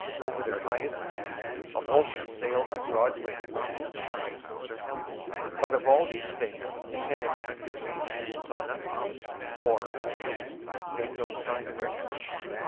Over their highest peaks a vulture sailed on broad wings into widening circles. But of all these things the tenant under the green tent saw nothing, or, at least, made no sign of recognition.